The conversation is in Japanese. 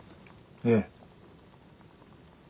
ええ。